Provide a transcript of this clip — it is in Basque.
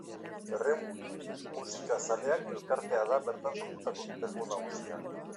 Herri Musika Zaleak elkartea da bertan sortutako egitasmo nagusia.